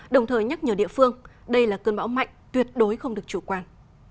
đồng thời nhắc nhở địa phương đây là cơn bão mạnh tuyệt đối không được chủ quan